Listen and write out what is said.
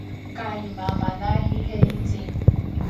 Kaimamanaji jeritzi.